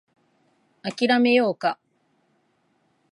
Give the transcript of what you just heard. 諦めようか